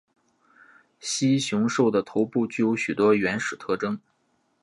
蜥熊兽的头部具有许多原始特征。